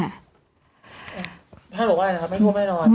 แท่ละว่าอะไรนะครับไม่ท่วมแน่นอน